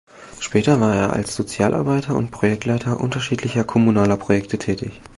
Später war er als Sozialarbeiter und Projektleiter unterschiedlicher kommunaler Projekte tätig.